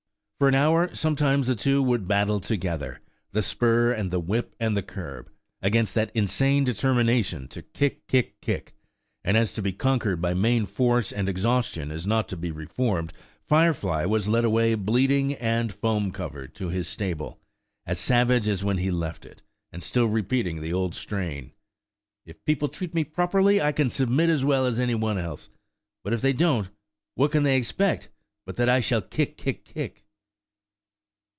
For an hour sometimes the two would battle together–the spur and the whip and the curb, against that insane determination to kick, kick, kick! And as to be conquered by main force and exhaustion is not to be reformed, Firefly was led away bleeding and foam covered to his stable, as savage as when he left it, and still repeating the old strain, "If people treat me properly, I can submit as well as any one else; but if they don't, what can they expect but that I shall kick, kick, kick?"